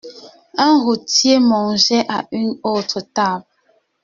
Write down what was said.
Un routier mangeait à une autre table.